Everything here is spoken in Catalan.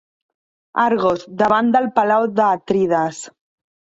Argos, davant del palau de Atrides.